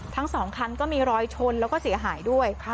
ทั้งสองคันก็มีรอยชนแล้วก็เสียหายด้วย